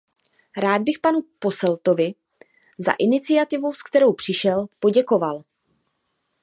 Rád bych panu Posseltovi za iniciativu, s kterou přišel, poděkoval.